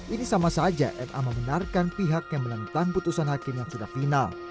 ini sama saja ma membenarkan pihak yang menentang putusan hakim yang sudah final